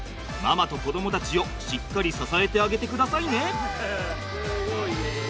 ママと子どもたちをしっかり支えてあげてくださいね。